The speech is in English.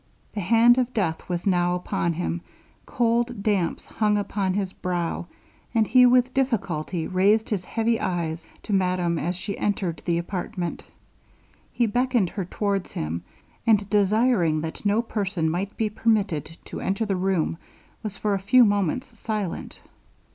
The hand of death was now upon him, cold damps hung upon his brows, and he, with difficulty, raised his heavy eyes to madame as she entered the apartment. He beckoned her towards him, and desiring that no person might be permitted to enter the room, was for a few moments silent.